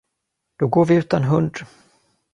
Då går vi utan hund!